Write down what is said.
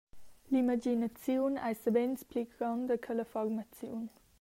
L’imaginaziun ei savens pli gronda che la formaziun.